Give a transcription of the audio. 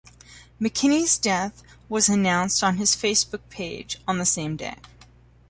McKinney's death was announced on his Facebook page on the same day.